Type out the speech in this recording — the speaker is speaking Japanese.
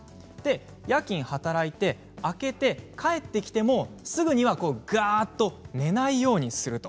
夜勤、働いて明けて帰ってきてもすぐには寝ないようにする。